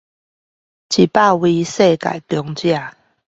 一百位世界強者